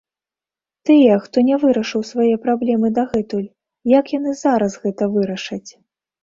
Тыя, хто не вырашыў свае праблемы дагэтуль, як яны зараз гэта вырашаць?